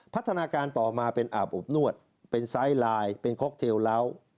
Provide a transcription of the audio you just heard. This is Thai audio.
พัฒนาการต่อมาเป็นอาบอบนวดเป็นไซส์ลายเป็นค็อกเทลเล้า